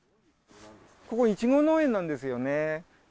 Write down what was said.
ここ、いちご農園なんですよ